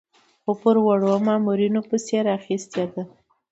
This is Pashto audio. خو پر وړو مامورینو پسې یې راخیستې ده.